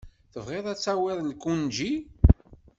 Tebɣiḍ ad tawiḍ lgunji?